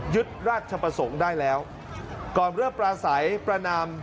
ยึดราชประสงค์ได้แล้วก่อนเรือปลาสัยประนาม